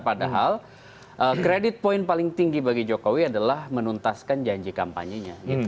padahal kredit poin paling tinggi bagi jokowi adalah menuntaskan janji kampanye nya